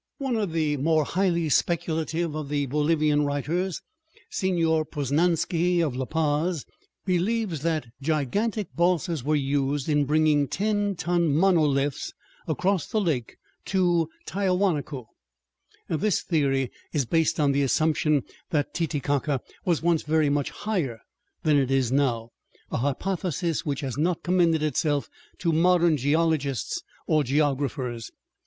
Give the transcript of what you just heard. One of the more highly speculative of the Bolivian writers, Señor Posnansky, of La Paz, believes that gigantic balsas were used in bringing ten ton monoliths across the lake to Tiahuanaco. This theory is based on the assumption that Titicaca was once very much higher than it is now, a hypothesis which has not commended itself to modern geologists or geographers.